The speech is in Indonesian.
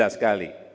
itu ada sekali